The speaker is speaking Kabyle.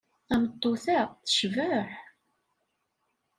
Tameṭṭut-a tecbeḥ.